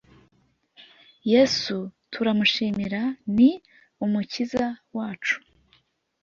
Yesu turamushimira ni umukiza wacu